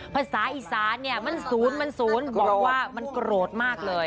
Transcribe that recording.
ภาษาอีสานี่มันศูนย์บอกว่ามันโกรธมากเลย